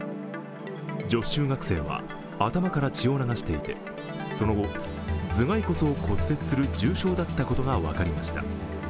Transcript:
女子中学生は頭から血を流していて、その後、頭蓋骨を骨折する重傷だったことが分かりました。